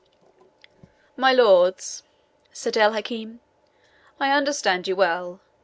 "My lords," said El Hakim, "I understand you well.